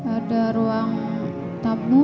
ada ruang tamu